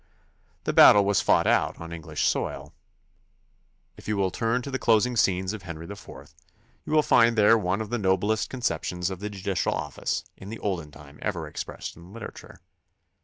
The battle was fought out on English soil. If you will turn to the closing scenes of Henry IV, you will find there one of the noblest conceptions of the judicial office in the olden time ever expressed in literature.